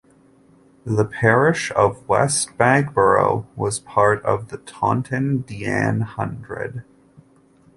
The parish of West Bagborough was part of the Taunton Deane Hundred.